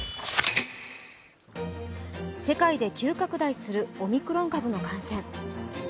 世界で急拡大するオミクロン株の感染。